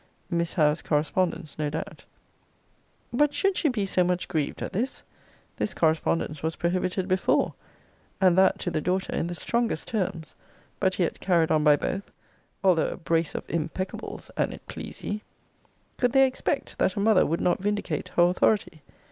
Miss Howe's correspondence, no doubt. But should she be so much grieved at this? This correspondence was prohibited before, and that, to the daughter, in the strongest terms: but yet carried on by both; although a brace of impeccables, an't please ye. Could they expect, that a mother would not vindicate her authority?